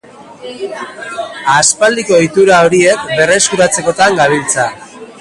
Aspaldiko ohitura horiek berreskuratzekotan gabiltza.